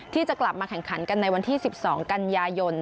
ที่จะกลับมาแข่งขันกันในวันที่๑๒กันยายน